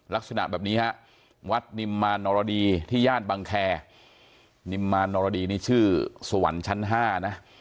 ลักษณะแบบนี้ฮะวัดนิมมารนรดีที่ย่านบังแคนิมมานนรดีนี่ชื่อสวรรค์ชั้น๕นะ